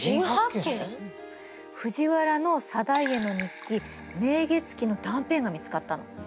藤原定家の日記「明月記」の断片が見つかったの。